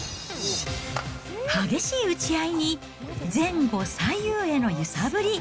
激しい打ち合いに、前後左右への揺さぶり。